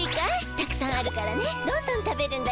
たくさんあるからねどんどん食べるんだよ。